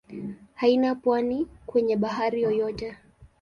Haina pwani kwenye bahari yoyote.